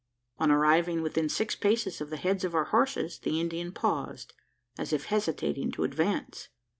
On arriving within six paces of the heads of our horses, the Indian paused, as if hesitating to advance.